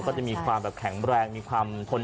ก็จะมีความแค่งแรงมีความทนทาน